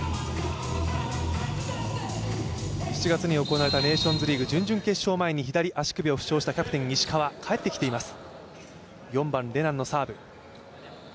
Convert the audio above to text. ７月に行われたネーションズリーグ準々決勝前に左足首を負傷したキャプテン・石川、帰ってきています。